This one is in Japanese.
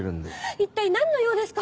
一体何の用ですか？